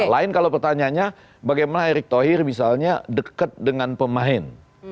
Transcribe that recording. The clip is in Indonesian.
lain kalau pertanyaannya bagaimana erick thohir misalnya dekat dengan pemain